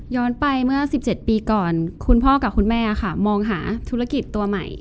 ไปเมื่อ๑๗ปีก่อนคุณพ่อกับคุณแม่ค่ะมองหาธุรกิจตัวใหม่